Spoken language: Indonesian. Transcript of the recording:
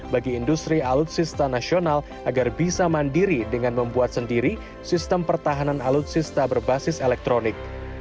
bagi industri alutsista nasional agar bisa mandiri dengan membuat sendiri sistem pertahanan alutsista berbasis elektronik